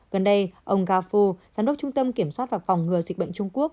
gần đây ông gao fu giám đốc trung tâm kiểm soát và phòng ngừa dịch bệnh trung quốc